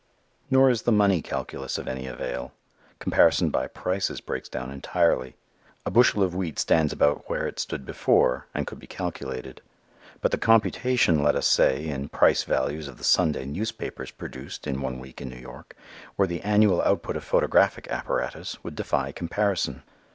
Nor is the money calculus of any avail. Comparison by prices breaks down entirely. A bushel of wheat stands about where it stood before and could be calculated. But the computation, let us say, in price values of the Sunday newspapers produced in one week in New York or the annual output of photographic apparatus, would defy comparison.